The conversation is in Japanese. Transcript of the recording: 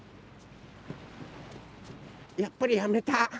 やっぱりやめた。